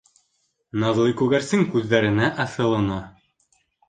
Наҙлы күгәрсен күҙҙәренә аҫылына.